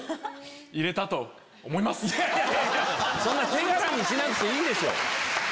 手柄にしなくていいでしょ。